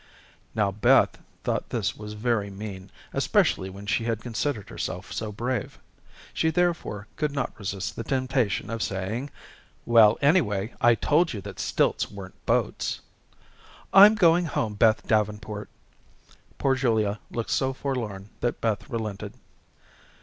Now Beth thought this was very mean, especially when she had considered herself so brave. She therefore could not resist the temptation of saying: "Well, anyway, I told you that stilts weren't boats." "I'm going home, Beth Davenport." Poor Julia looked so forlorn that Beth relented.